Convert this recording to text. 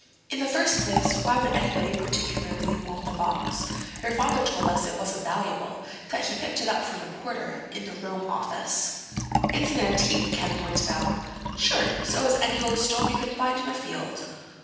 In the first place, why would anybody particularly want the box? Your father told us it wasn't valuable—that he picked it up from the porter in the Rome office." "It's an antique," Ken pointed out. "Sure. So is any old stone you can find in a field."